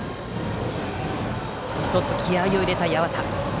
１つ、気合いを入れた八幡。